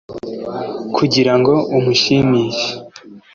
kugira ngo umushimishe,